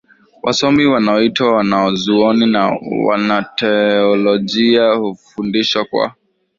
wasomi wanaoitwa wanazuoni na wanateolojia hufundisha kwa